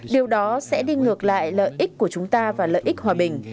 điều đó sẽ đi ngược lại lợi ích của chúng ta và lợi ích hòa bình